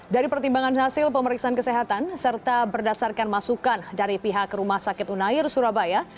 dari pertimbangan hasil pemeriksaan kesehatan serta berdasarkan masukan dari pihak rumah sakit unair surabaya